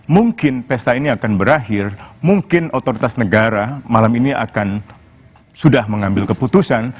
mungkin pesta ini akan berakhir mungkin otoritas negara malam ini akan sudah mengambil keputusan